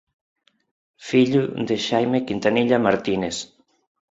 Fillo de Xaime Quintanilla Martínez.